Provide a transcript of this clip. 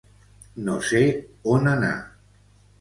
No sé on anar.